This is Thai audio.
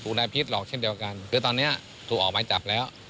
รวมแบบทีกลอกทิ้งเดียวกันและตอนนี้ตามตัวออกมาจากแล้ว